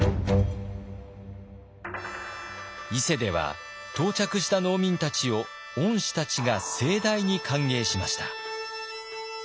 伊勢では到着した農民たちを御師たちが盛大に歓迎しました。